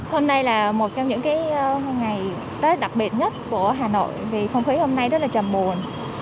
hôm nay là một trong những ngày tết đặc biệt nhất của hà nội vì không khí hôm nay rất là trầm buồn